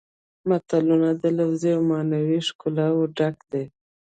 متلونه د لفظي او معنوي ښکلاوو ډک دي